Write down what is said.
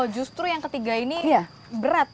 justru yang ketiga ini berat